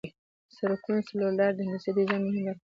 د سرکونو څلور لارې د هندسي ډیزاین مهمه برخه ده